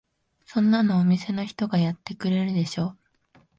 そんなのお店の人がやってくれるでしょ。